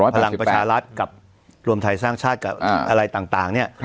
พลังประชารัฐกับรวมไทยสร้างชาติกับอะไรต่างเนี่ย